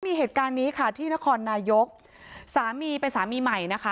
มีเหตุการณ์นี้ค่ะที่นครนายกสามีเป็นสามีใหม่นะคะ